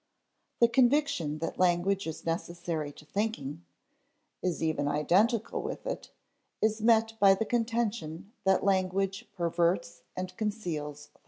The conviction that language is necessary to thinking (is even identical with it) is met by the contention that language perverts and conceals thought.